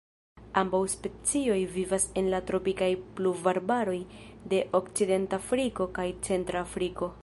Ambaŭ specioj vivas en la tropikaj pluvarbaroj de Okcidentafriko kaj Centra Afriko.